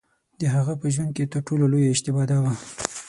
د هغه په ژوند کې تر ټولو لویه اشتباه دا وه.